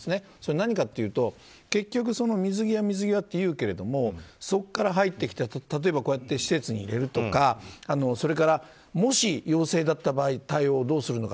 何かというと結局水際、水際っていうけれどもそこから入ってきて例えば、施設に入れるとかそれから、もし陽性だった場合対応をどうするのか。